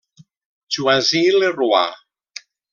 Choisy-le-Roi.